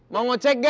mau ngecek ga